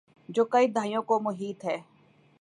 جو کئی دھائیوں کو محیط ہے۔